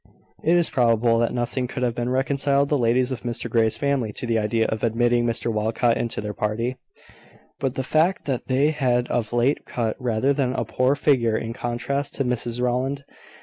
It is probable that nothing could have reconciled the ladies of Mr Grey's family to the idea of admitting Mr Walcot into their party, but the fact that they had of late cut rather a poor figure in contrast to Mrs Rowland.